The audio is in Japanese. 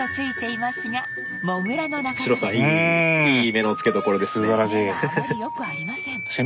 目があまりよくありません